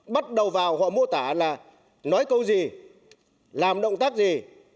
bắt đầu vào họ mô tả là nói câu gì làm động tác gì